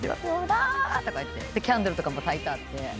キャンドルとかもたいてあって。